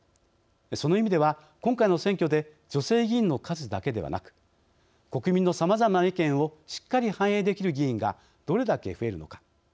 その意味では、今回の選挙で女性議員の数だけではなく国民のさまざまな意見をしっかり反映できる議員がどれだけ増えるのか。